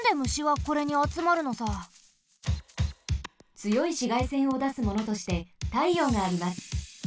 つよいしがいせんをだすものとしてたいようがあります。